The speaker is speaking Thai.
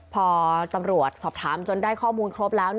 พอตำรวจสอบถามจนได้ข้อมูลครบแล้ว